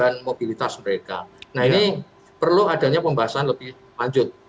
nah ini perlu adanya pembahasan lebih lanjut